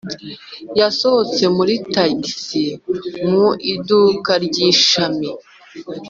yasohotse muri tagisi mu iduka ry’ishami.